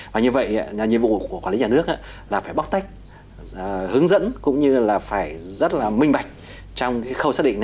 và như vậy nhiệm vụ của quản lý nhà nước là phải bóc tách hướng dẫn cũng như là phải rất là minh bạch